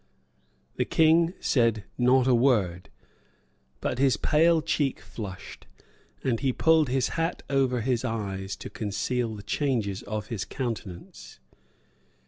The King said not a word; but his pale cheek flushed; and he pulled his hat over his eyes to conceal the changes of his countenance.